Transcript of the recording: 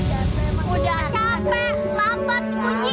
kalau mau tuh ambil pasti